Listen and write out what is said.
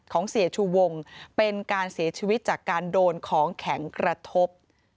ของเสียชูวงเป็นการเสียชีวิตจากการโดนของแข็งกระทบ